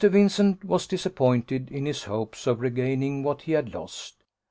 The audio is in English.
Vincent was disappointed in his hopes of regaining what he had lost.